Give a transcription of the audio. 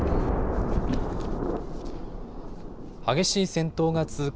激しい戦闘が続く